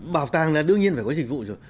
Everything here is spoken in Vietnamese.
bảo tàng là đương nhiên phải có dịch vụ rồi